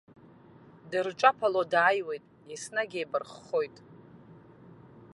Дырҿаԥало дааиуеит, еснагь еибарххоит.